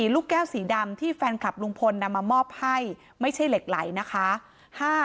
ลูกแก้วสีดำที่แฟนคลับลุงพลนำมามอบให้ไม่ใช่เหล็กไหลนะคะ